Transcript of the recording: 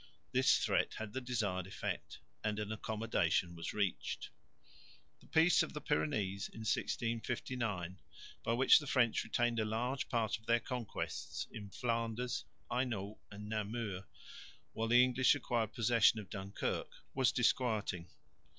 This threat had the desired effect, and an accommodation was reached. The peace of the Pyrenees in 1659, by which the French retained a large part of their conquests in Flanders, Hainault and Namur, while the English acquired possession of Dunkirk, was disquieting.